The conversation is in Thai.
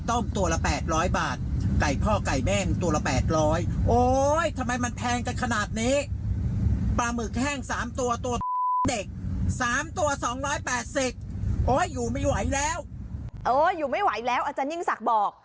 โอ้ยอยู่ไม่ไหวแล้วอาจารย์ยิ่งศักดิ์บอก